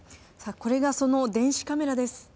これがその電子カメラです。